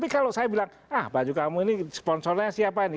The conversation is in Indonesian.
tapi kalau saya bilang ah baju kamu ini sponsornya siapa ini